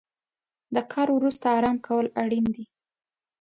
د کار وروسته ارام کول اړین دي.